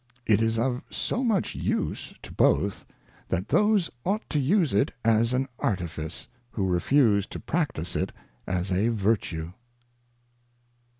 It is jjf so much use to both, that those ought to use it as an Artifice, whyo refuse to practise it as a Vertue.